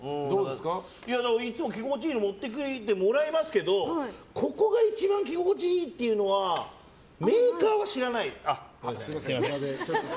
いつも着心地いいの持ってきてもらいますけどここが一番着心地いいっていうのはメーカーは知らないです。